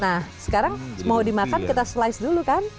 nah sekarang mau dimakan kita slice dulu kan